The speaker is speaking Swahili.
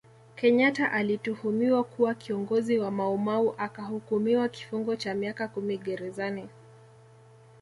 Kenyatta alituhumiwa kuwa kiongozi wa maumau akahukumiwa kifungo cha miaka kumi gerezani